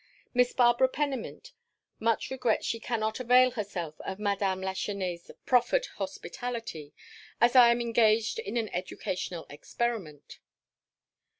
Miss Barbara Pennymint much regrets she cannot avail herself of Madame Lachesnais' proffered hospitality as I am engaged in an educational experiment."